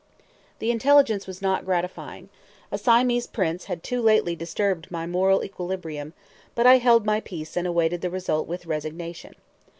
The intelligence was not gratifying, a Siamese prince had too lately disturbed my moral equilibrium; but I held my peace and awaited the result with resignation.